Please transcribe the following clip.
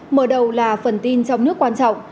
mở đầu là phần tin trong nước quan trọng